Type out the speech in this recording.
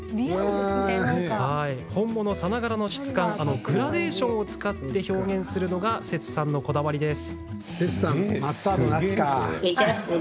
本物さながらの質感グラデーションを使って表現するのがセツさんのこだわりです。